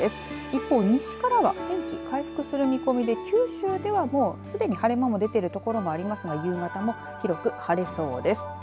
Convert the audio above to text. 一方、西からは天気回復する見込みで九州ではもうすでに晴れ間も出ている所がありますので夕方も広く晴れそうです。